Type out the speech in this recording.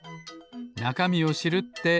なかみを知るって。